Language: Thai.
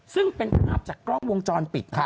ซึ่งเป็นภาพจากกล้องวงจรปิด